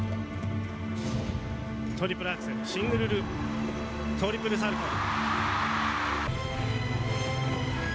トリプルアクセル、シングルループ、トリプルサルコー。